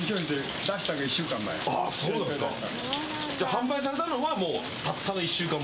販売されたのはたったの１週間前。